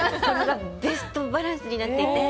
ベストバランスになっていて。